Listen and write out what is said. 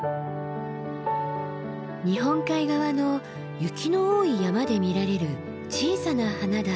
日本海側の雪の多い山で見られる小さな花だ。